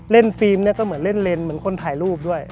เล่นฟิล์มก็เหมือนเล่นเลนย์เหมือนคนถ่ายรูปด้วย